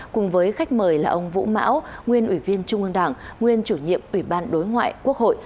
cùng với khách mời là ông vũ mão nguyên ủy viên trung ương đảng nguyên chủ nhiệm ủy ban đối ngoại quốc hội